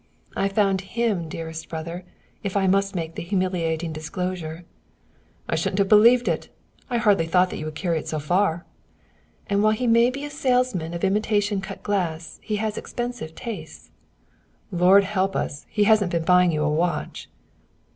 "I found him, dearest brother, if I must make the humiliating disclosure." "I shouldn't have believed it! I hardly thought you would carry it so far." "And while he may be a salesman of imitation cut glass, he has expensive tastes." "Lord help us, he hasn't been buying you a watch?"